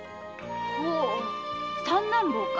ほう三男坊か。